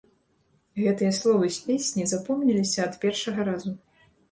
Гэтыя словы з песні запомніліся ад першага разу.